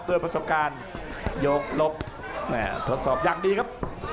ประสบการณ์โยกลบทดสอบอย่างดีครับ